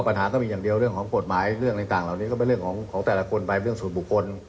ปัญหาก็มีอย่างเดียวเรื่องของกฎหมายเรื่องอะไรต่างเหล่านี้ก็เป็นเรื่องของแต่ละคนไปเรื่องสูตรบุคคล